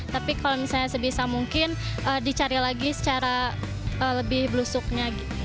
tapi kalau misalnya sebisa mungkin dicari lagi secara lebih blusuknya